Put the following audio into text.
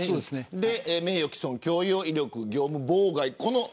名誉毀損、強要、威力業務妨害。